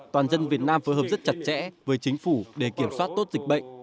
toàn dân việt nam phối hợp rất chặt chẽ với chính phủ để kiểm soát tốt dịch bệnh